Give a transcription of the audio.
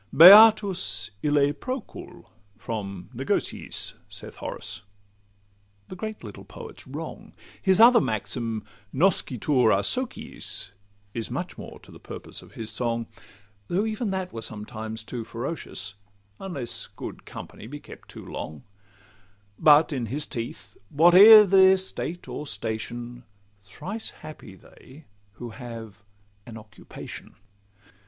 'Beatus ille procul!' from 'negotiis,' Saith Horace; the great little poet 's wrong; His other maxim, 'Noscitur a sociis,' Is much more to the purpose of his song; Though even that were sometimes too ferocious, Unless good company be kept too long; But, in his teeth, whate'er their state or station, Thrice happy they who have an occupation!